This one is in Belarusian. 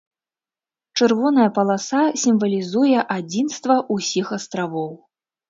Чырвоная паласа сімвалізуе адзінства ўсіх астравоў.